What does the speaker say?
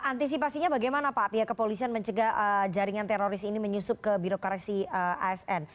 antisipasinya bagaimana pak pihak kepolisian mencegah jaringan teroris ini menyusup ke birokrasi asn